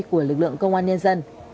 của lực lượng công an nhân dân